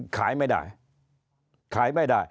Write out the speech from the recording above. ขายไม่ได้